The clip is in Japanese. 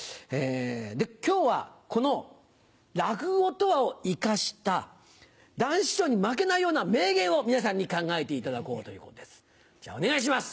今日はこの「落語とは」を生かした談志師匠に負けないような名言を皆さんに考えていただこうということですじゃあお願いします。